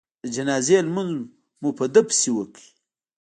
د جنازې لمونځ مو په ده پسې وکړ.